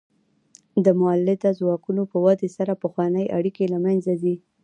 د مؤلده ځواکونو په ودې سره پخوانۍ اړیکې له منځه ځي.